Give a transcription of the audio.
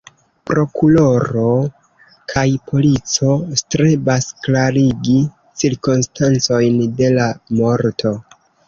Prokuroro kaj polico strebas klarigi cirkonstancojn de la morto.